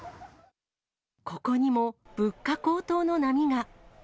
ここにも物価高騰の波が。